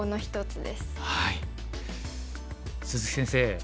鈴木先生